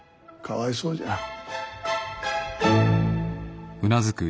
かわいそうじゃ。